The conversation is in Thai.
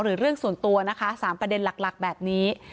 หรือเรื่องส่วนตัว๓ประเด็นหลักแบบนี้